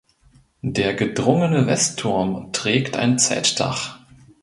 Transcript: Der gedrungene Westturm trägt ein Zeltdach.